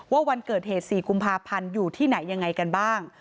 วันเกิดเหตุ๔กุมภาพันธ์อยู่ที่ไหนยังไงกันบ้าง